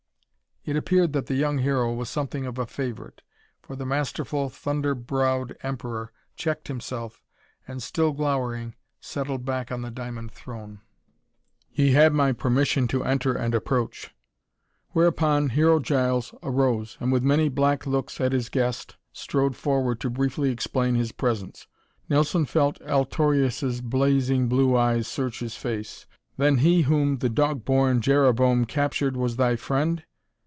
It appeared that the young Hero was something of a favorite, for the masterful, thunder browed Emperor checked himself and, still glowering, settled back on the diamond throne. "Ye have my permission to enter and approach." Whereupon, Hero Giles arose and, with many black looks at his guest, strode forward to briefly explain his presence. Nelson felt Altorius' blazing blue eyes search his face. "Then he whom the dog born Jereboam captured was thy friend?"